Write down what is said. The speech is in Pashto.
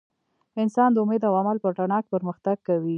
انسان د امید او عمل په رڼا کې پرمختګ کوي.